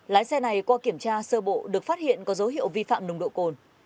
lái xe này qua kiểm tra sơ bộ được phát hiện có dấu hiệu vi phạm nồng độ cồn